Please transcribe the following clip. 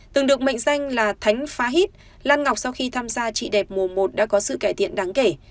từng được mệnh danh là thánh phá hít lan ngọc sau khi tham gia trị đẹp mùa một đã có sự cải thiện đáng kể